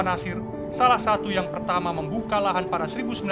nasir salah satu yang pertama membuka lahan pada